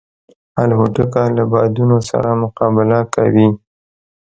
الوتکه له بادونو سره مقابله کوي.